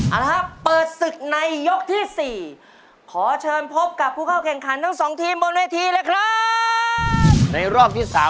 เอาล่ะครับเปิดศึกในยกที่๔